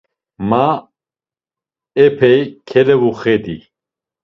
Ma epey kelevuxedi.